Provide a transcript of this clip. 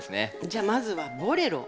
じゃあまずはボレロ。